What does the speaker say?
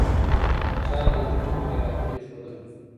چا نذرونه خیراتونه ایښودله